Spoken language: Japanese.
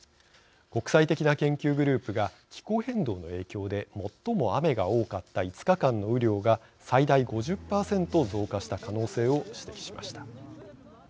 国際的な研究グループが気候変動の影響で最も雨が多かった５日間の雨量が最大５０％増加した可能性を指摘しました。